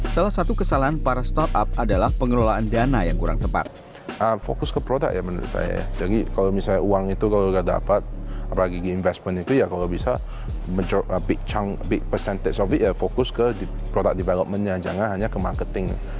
salah satu kesalahan para startup ini adalah bahwa startup ini tidak bisa dihubungi dengan startup lain